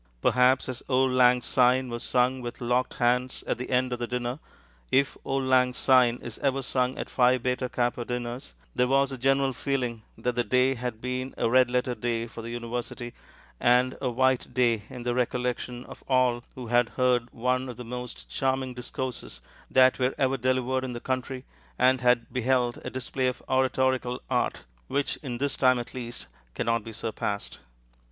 Perhaps as "Auld Lang Syne" was sung with locked hands at the end of the dinner, if "Auld Lang Syne" is ever sung at Phi Beta Kappa dinners, there was a general feeling that the day had been a red letter day for the university, and a white day in the recollection of all who had heard one of the most charming discourses that were ever delivered in the country, and had beheld a display of oratorical art which in this time, at least, cannot be surpassed.